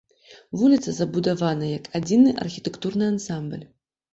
Вуліца забудавана як адзіны архітэктурны ансамбль.